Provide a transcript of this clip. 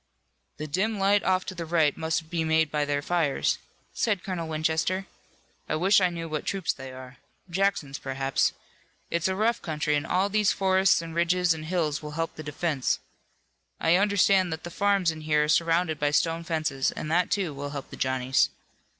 "The dim light off to the right must be made by their fires," said Colonel Winchester. "I wish I knew what troops they are. Jackson's perhaps. It's a rough country, and all these forests and ridges and hills will help the defense. I understand that the farms in here are surrounded by stone fences and that, too, will help the Johnnies."